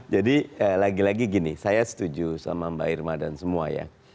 jadi lagi lagi gini saya setuju sama mbak irma dan semua ya